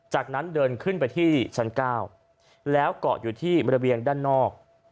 จากนั้นเดินขึ้นไปที่ชั้น๙แล้วเกาะอยู่ที่ระเบียงด้านนอก